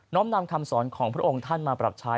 ้อมนำคำสอนของพระองค์ท่านมาปรับใช้